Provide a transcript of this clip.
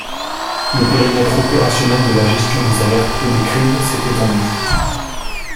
Le périmètre opérationnel de la gestion des alertes et des crises s'est étendu.